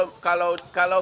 oh akan terus akan terus